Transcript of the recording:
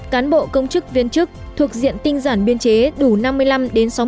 năm cán bộ công chức viên chức thuộc diện tinh giản biên chế đủ năm mươi năm sáu mươi tuổi đối với nam